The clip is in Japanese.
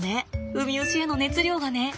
ウミウシへの熱量がね。